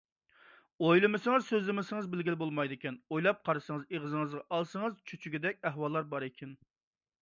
ئويلىمىسىڭىز، سۆزلىمىسىڭىز بىلگىلى بولمايدىكەن، ئويلاپ قارىسىڭىز، ئېغىزغا ئالسىڭىز چۆچۈگۈدەك ئەھۋاللار بار ئىكەن.